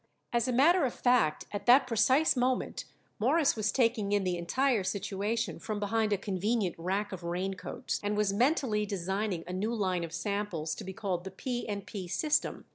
As a matter of fact, at that precise moment Morris was taking in the entire situation from behind a convenient rack of raincoats, and was mentally designing a new line of samples to be called The P & P System.